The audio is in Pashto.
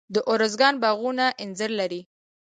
د ارزګان باغونه انځر لري.